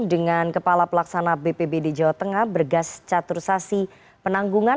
dengan kepala pelaksana bpbd jawa tengah bergas catursasi penanggungan